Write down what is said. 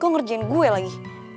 kok ngerjain gue lagi